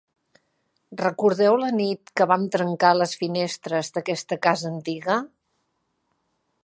Recordeu la nit que vam trencar les finestres d'aquesta casa antiga?